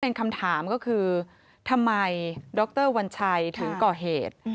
เป็นคำถามก็คือทำไมดรวัญชัยถึงก่อเหตุ